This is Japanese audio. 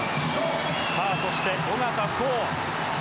そして小方颯。